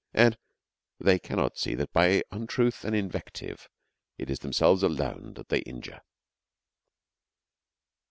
And they cannot see that by untruth and invective it is themselves alone that they injure.